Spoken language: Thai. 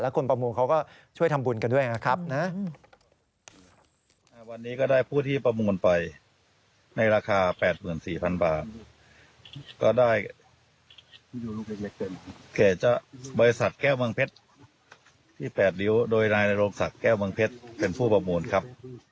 คนประมูลเขาก็ช่วยทำบุญกันด้วยนะครับ